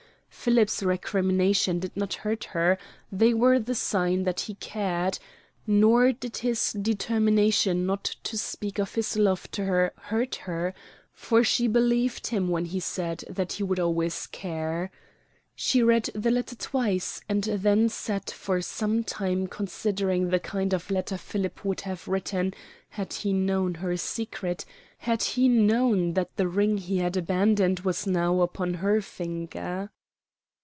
Philip's recriminations did not hurt her, they were the sign that he cared; nor did his determination not to speak of his love to her hurt her, for she believed him when he said that he would always care. She read the letter twice, and then sat for some time considering the kind of letter Philip would have written had he known her secret had he known that the ring he had abandoned was now upon her finger.